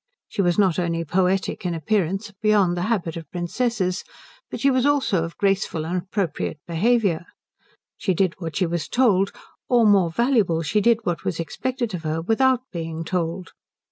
She was not only poetic in appearance beyond the habit of princesses but she was also of graceful and appropriate behaviour. She did what she was told; or, more valuable, she did what was expected of her without being told.